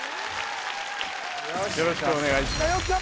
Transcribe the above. よろしくお願いします